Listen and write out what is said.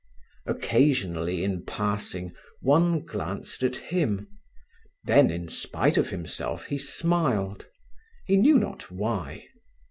Occasionally, in passing, one glanced at him; then, in spite of himself, he smiled; he knew not why.